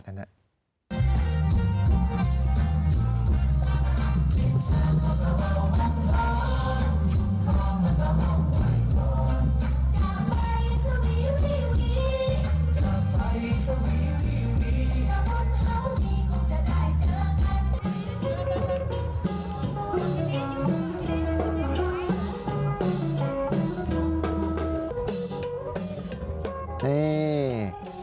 สวัสดีครับ